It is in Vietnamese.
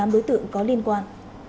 tám đối tượng có liên quan